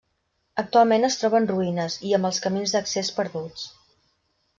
Actualment es troba en ruïnes, i amb els camins d'accés perduts.